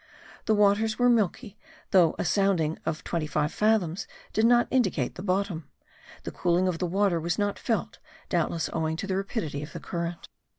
The waters were milky, although a sounding of twenty five fathoms did not indicate the bottom; the cooling of the water was not felt, doubtless owing to the rapidity of the current.